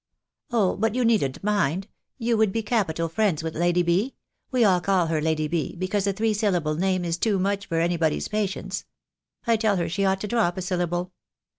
"Oh, but you needn't mind. You would be capital friends with Lady B. We all call her Lady B., because a three syllable name is too much for anybody's patience. I tell her she ought to drop a syllable.